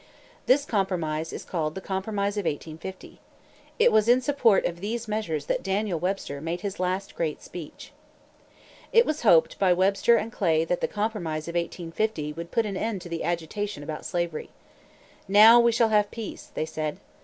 This compromise is called the "Compromise of 1850." It was in support of these measures that Daniel Webster made his last great speech. It was hoped by Webster and Clay that the Compromise of 1850 would put an end to the agitation about slavery. "Now we shall have peace," they said.